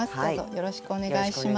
よろしくお願いします。